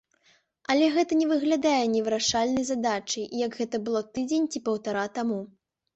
Але гэта не выглядае невырашальнай задачай, як гэта было тыдзень ці паўтара таму.